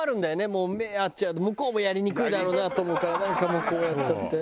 もう目合っちゃうと向こうもやりにくいだろうなと思うからなんかもうこうやっちゃって。